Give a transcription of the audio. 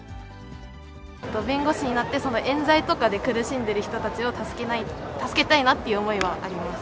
弁護士になってそのえん罪とかで苦しんでる人たちを、助けたいなっていう思いはあります。